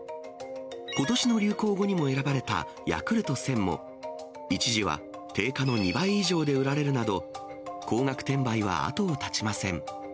ことしの流行語にも選ばれたヤクルト１０００も、一時は定価の２倍以上で売られるなど、高額転売は後を絶ちません。